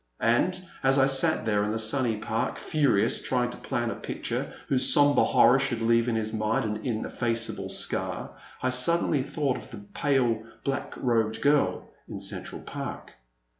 And, as I sat there in the sunny park, furious, trying to plan a picture whose sombre horror should leave in his mind an ineffaceable scar, I suddenly thought of the pale black robed girl in Central Park.